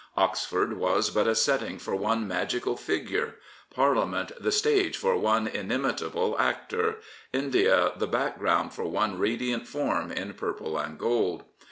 Oxford was but a setting for one magical figure, Parlia ment the stage for one inimitable actor, India the background for one radiant form in purple and gold.